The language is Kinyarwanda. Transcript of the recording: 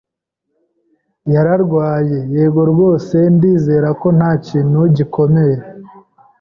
"Yararwaye." "Yego rwose, ndizera ko nta kintu gikomeye."